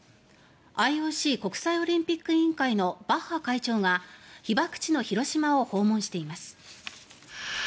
ＩＯＣ・国際オリンピック委員会のバッハ会長が被爆地の広島を訪問しています。